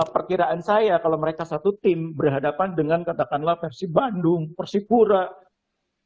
pertiraan saya kalau mereka satu tim berhadapan dengan katakanlah versi bandung persikura persebaya